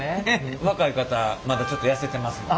若い方まだちょっと痩せてますもんね。